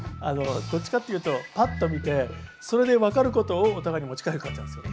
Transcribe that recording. どっちかっていうと、ぱっと見てそれで分かることをお互いに持ち帰る感じなんですよ。